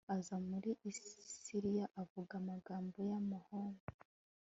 aza muri siriya avuga amagambo y'amahoro